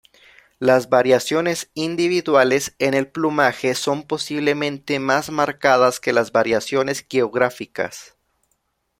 Las variaciones individuales en el plumaje son posiblemente más marcadas que las variaciones geográficas.